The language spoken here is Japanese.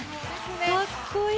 かっこいい。